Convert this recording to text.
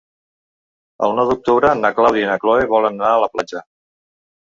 El nou d'octubre na Clàudia i na Cloè volen anar a la platja.